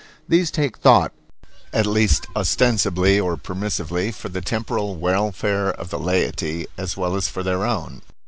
These take thought, at least ostensibly or permissively, for the temporal welfare of the laity, as well as for their own.